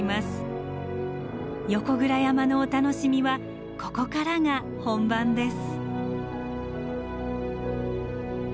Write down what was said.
横倉山のお楽しみはここからが本番です。